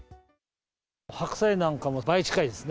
白菜なんかも倍近いですね。